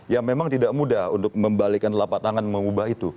ya memang tidak mudah untuk membalikan lapak tangan mengubah itu